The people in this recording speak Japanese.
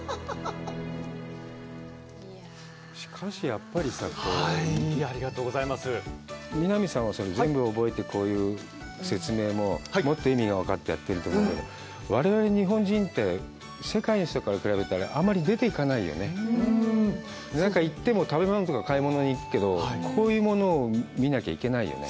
しかしやっぱりさありがとうございます南さんは全部覚えてこういう説明ももっと意味が分かってやってると思うけどわれわれ日本人って世界の人から比べたらあまり出ていかないよねなんか行っても食べ物とか買い物に行くけどこういうものを見なきゃいけないよね